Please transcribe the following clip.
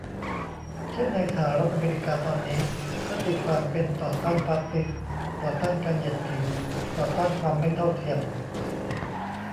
เช่นในสหรัฐอเมริกาตอนนี้ ก็ตีความเป็น ต่อต้านฟาสซิสต์ ต่อต้านการเหยียดผิว ต่อต้านความไม่เท่าเทียม